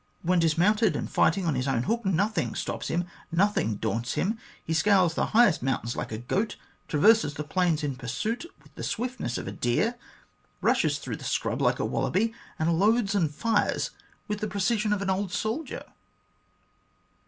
When dis mounted and fighting on his own hook, nothing stops him, nothing daunts him, he scales the highest mountains like a goat, traverses the plains in pursuit with the swiftness of a deer, rushes through the scrub like a wallaby, and loads and fires with the precision of an old soldier."